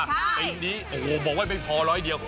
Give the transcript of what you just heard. อันนี้โอ้โหบอกว่าเป็นพอร้อยเดียว